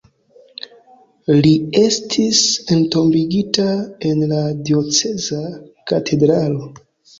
Li estis entombigita en la dioceza katedralo.